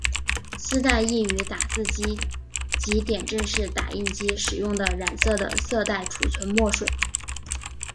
丝带亦于打字机及点阵式打印机使用染色的色带储存墨水。